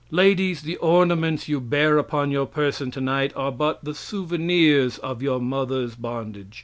Ladies, the ornaments you bear upon your person tonight are but the souvenirs of your mothers' bondage.